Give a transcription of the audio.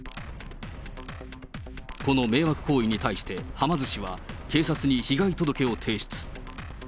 この迷惑行為に対して、はま寿司は、警察に被害届を提出。